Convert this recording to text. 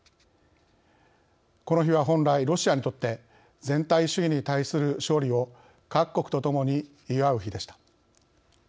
この日は本来ロシアにとって全体主義に対する勝利を各国とともに祝う日でした。